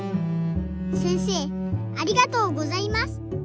せんせいありがとうございます。